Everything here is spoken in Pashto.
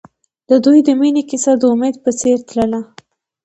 د دوی د مینې کیسه د امید په څېر تلله.